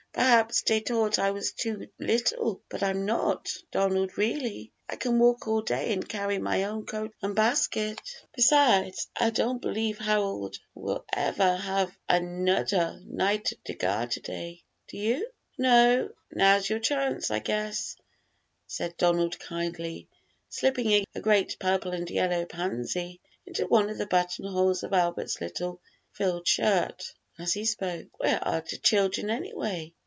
"Perhaps dey tought I was too little, but I'm not, Donald, really; I can walk all day an' carry my own coat an' basket. Besides, I don't believe Harold will ever have anudder Knight of de Garter day, do you?" "No; now's your chance, I guess," said Donald kindly, slipping a great purple and yellow pansy into one of the buttonholes of Albert's little frilled shirt as he spoke. "Where are de children, anyway?"